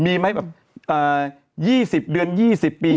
มีไหมแบบ๒๐เดือน๒๐ปี